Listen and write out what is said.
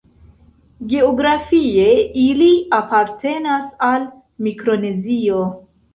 Geografie ili apartenas al Mikronezio.